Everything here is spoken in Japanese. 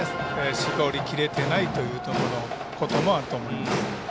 絞りきれてないというところもあると思います。